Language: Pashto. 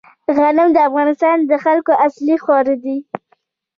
غنم د افغانستان د خلکو اصلي خواړه دي